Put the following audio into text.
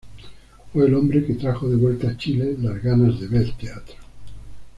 Fue el hombre que trajo de vuelta a Chile las ganas de ver teatro.